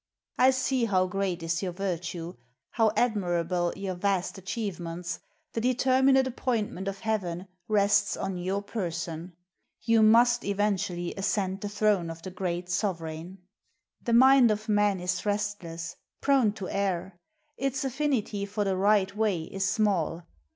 I see how great is your virtue, how 7 CHINA admirable your vast achievements; the determinate appointment of Heaven rests on your person; you must eventually ascend the throne of the great sovereign. The mind of man is restless, — prone to err; its afl&nity for the right way is small.